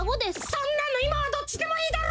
そんなのいまはどっちでもいいだろ！